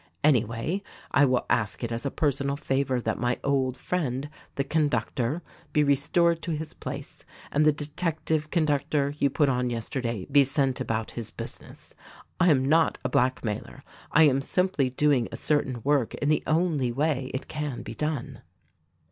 Anyway, I will ask it as a personal favor that my old friend, the conductor, be restored to his place, and the detective conductor you put on yesterday be sent about his business. I am not a blackmailer. I am simply doing a certain work in the only way it can be done."